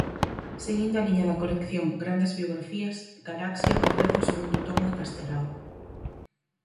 Seguindo a liña da colección Grandes Biografías, Galaxia ofrece o segundo tomo de Castelao.